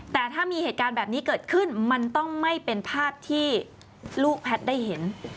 แต่ถ้ามีเหตุการณ์แบบนี้เกิดขึ้นมันต้องไม่เป็นภาพที่ลูกแพทย์ได้เห็น